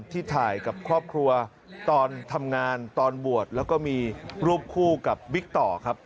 ที่ถ่ายกับครอบครัวตอนทำงานตอนบวชแล้วก็มีรูปคู่กับบิ๊กต่อครับ